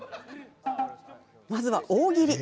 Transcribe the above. まずは大喜利。